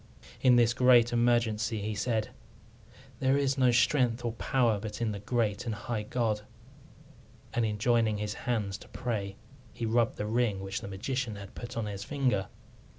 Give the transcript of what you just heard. In this great emergency he said, "There is no strength or power but in the great and high God"; and in joining his hands to pray he rubbed the ring which the magician had put on his finger.